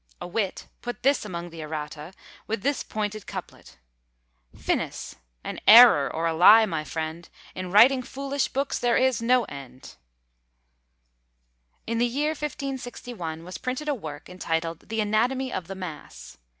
A wit put this among the errata, with this pointed couplet: FINIS! an error, or a lie, my friend! In writing foolish books there is no End! In the year 1561 was printed a work, entitled "the Anatomy of the Mass."